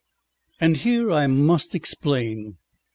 And here I must explain.